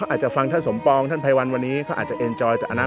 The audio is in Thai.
ประชาชนก็มีหลายระดับครับก็ให้เขาค่อยไต่เต้ากันไป